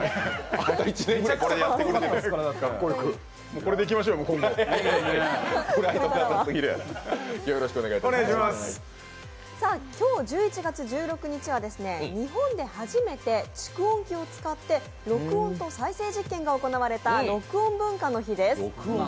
今後、これでいきましょうよ今日１１月１６日は日本で初めて蓄音機を使って録音と再生実験が行われた録音文化の日です。